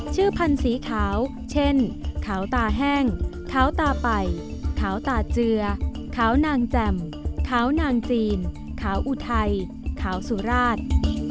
พันธุ์สีขาวเช่นขาวตาแห้งขาวตาไปขาวตาเจือขาวนางแจ่มขาวนางจีนขาวอุทัยขาวสุราช